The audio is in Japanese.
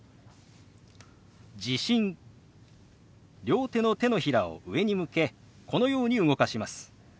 両手の手のひらを上に向けこのように動かします。